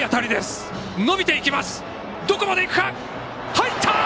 入った！